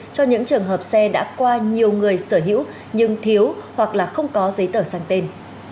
cho những trường hợp xe đã qua nhiều người sở hữu nhưng thiếu hoặc là không có giấy tờ sang tên